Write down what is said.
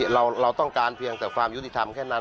เราต้องการเพียงแต่ความยุติธรรมแค่นั้น